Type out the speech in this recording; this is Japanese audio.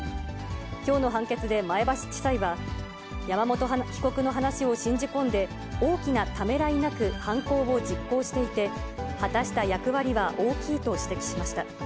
きょうの判決で前橋地裁は、山本被告の話を信じ込んで、大きなためらいなく犯行を実行していて、果たした役割は大きいと指摘しました。